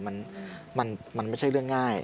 มันไม่ใช่เรื่องง่าย